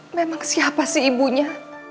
memang siapa sih ibunya